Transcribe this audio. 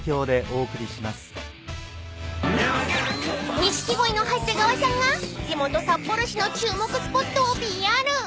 ［錦鯉の長谷川さんが地元札幌市の注目スポットをＰＲ］